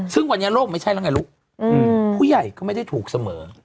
ซึ่งวันนี้โลกไม่ใช่แล้วไงลูกผู้ใหญ่ก็ไม่ได้ถูกเสมอ